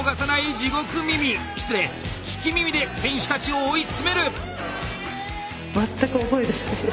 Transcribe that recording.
地獄耳失礼聞き耳で選手たちを追い詰める！